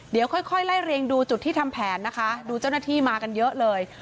เดี๋ยวค่อยไล่เรียงดูจุดที่ทำแผนนะคะดูเจ้าหน้าที่มากันเยอะเลย